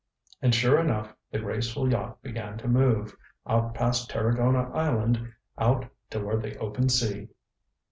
And sure enough, the graceful yacht began to move out past Tarragona Island out toward the open sea.